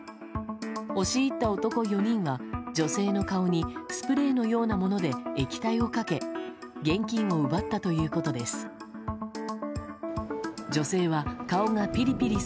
押し入った男４人が女性の顔にスプレーのようなもので液体をかけ現金を奪ったということです。